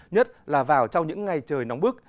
nhất là vào trong những ngày trời nóng bức